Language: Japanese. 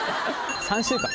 ３週間。